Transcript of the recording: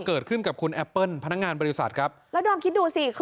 พี่เชื่อว่าเค้าคงไม่ทนพริกปัดแผลทนพริกงูไม่ไหวแน่ค่ะ